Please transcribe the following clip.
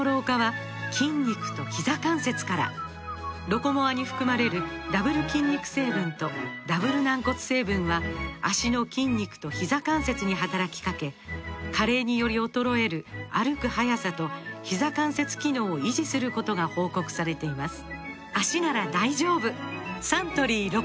「ロコモア」に含まれるダブル筋肉成分とダブル軟骨成分は脚の筋肉とひざ関節に働きかけ加齢により衰える歩く速さとひざ関節機能を維持することが報告されています